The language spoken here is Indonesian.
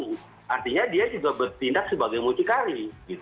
itu artinya dia juga bertindak sebagai muncikari